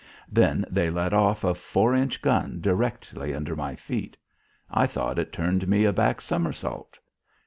Then they let off a four inch gun directly under my feet. I thought it turned me a back somersault.